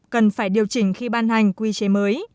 cần phải điều chỉnh khi ban hành quy chế mới